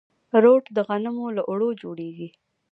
روټ د غنمو له اوړو جوړیږي.